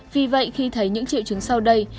vì vậy khi thấy những triệu chứng sau đây